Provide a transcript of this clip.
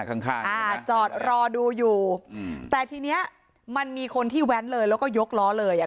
ข้างข้างอ่าจอดรอดูอยู่อืมแต่ทีเนี้ยมันมีคนที่แว้นเลยแล้วก็ยกล้อเลยอ่ะ